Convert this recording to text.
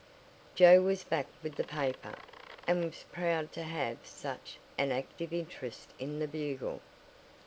Joe was back with the paper, and was proud to have such an active interest in the Bugle.